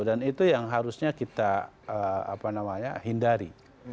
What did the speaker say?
dan itu yang harusnya kita hindari